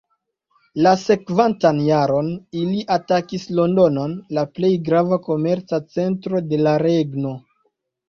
La sekvantan jaron ili atakis Londonon, la plej grava komerca centro de la regno.